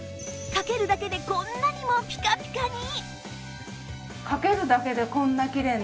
かけるだけでこんなにもピカピカに！